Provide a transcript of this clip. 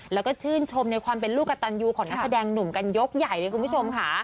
แล้วก็ชื่นชมในความเป็นลูกกระตันยูของนักแสดงหนุ่มกันยกใหญ่เลยคุณผู้ชมค่ะ